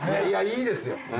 いやいいですよ。